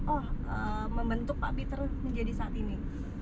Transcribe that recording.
oh membentuk pak peter menjadi saat ini